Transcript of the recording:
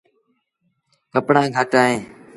کپآڻآن گھٽ اهيݩ۔